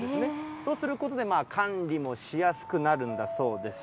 そうすることで、管理もしやすくなるんだそうです。